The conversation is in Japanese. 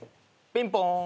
ピンポーン。